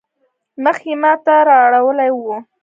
مخ يې ما ته رااړولی وو.